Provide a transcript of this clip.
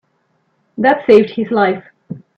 That saved his life.